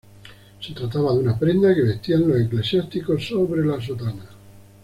Se trataba de una prenda que vestían los eclesiásticos sobre la sotana.